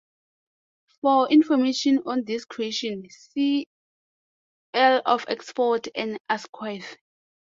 For information on this creation, see Earl of Oxford and Asquith.